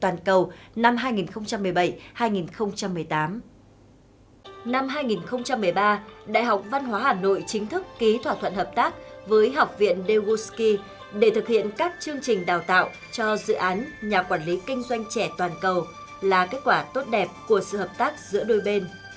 năm hai nghìn một mươi ba đại học văn hóa hà nội chính thức ký thỏa thuận hợp tác với học viện daeguski để thực hiện các chương trình đào tạo cho dự án nhà quản lý kinh doanh trẻ toàn cầu là kết quả tốt đẹp của sự hợp tác giữa đôi bên